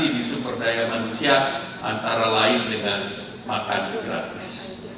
di sumber daya manusia antara lain dengan makan gratis